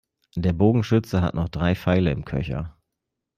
Der Bogenschütze hat noch drei Pfeile im Köcher.